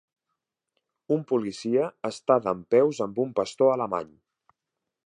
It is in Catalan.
Un policia està dempeus amb un pastor alemany.